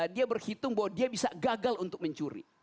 dia berhitung bahwa dia bisa gagal untuk mencuri